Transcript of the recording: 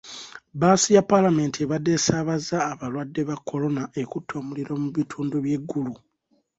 Bbaasi ya Paalamenti ebadde esaabaza abalwadde ba Kolona ekutte omuliro mu bitundu by'e Gulu.